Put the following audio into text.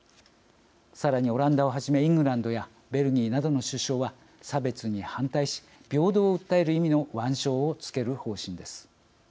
さらに、オランダをはじめイングランドやベルギーなどの主将は、差別に反対し平等を訴える意味の腕章をつける方針です。